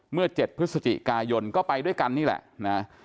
เมื่อ๗พฤศจิกายนก็ไปด้วยกันนี่แหละนะ